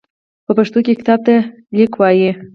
په پښتو کې کتاب ته ليکی وايي.